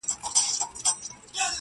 ساقي نن مي خړوب که شپه تر پایه مستومه؛